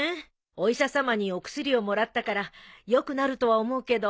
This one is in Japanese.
お医者さまにお薬をもらったから良くなるとは思うけど。